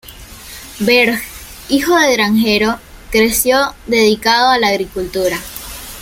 Berg, hijo de granjero, creció dedicado a la agricultura.